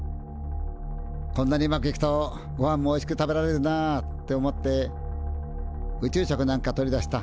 「こんなにうまくいくとごはんもおいしく食べられるなあ」って思って宇宙食なんか取り出した。